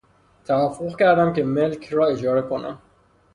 توافق کردم که ملک را اجاره کنم.